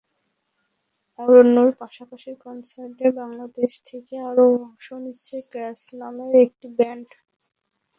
অরণ্যর পাশাপাশি কনসার্টে বাংলাদেশ থেকে আরও অংশ নিচ্ছে স্ক্র্যাচ নামের একটি ব্যান্ড।